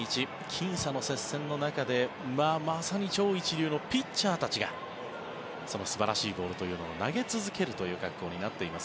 きん差の接戦の中でまさに超一流のピッチャーたちがその素晴らしいボールを投げ続けるという格好になっています